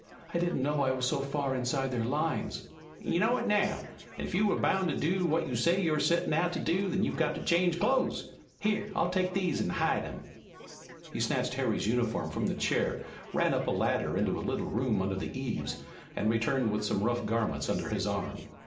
I didn't know I was so far inside their lines." "You know it now, an' if you're boun' to do what you say you're settin' out to do, then you've got to change clothes. Here, I'll take these an' hide 'em." He snatched Harry's uniform from the chair, ran up a ladder into a little room under the eaves, and returned with some rough garments under his arm.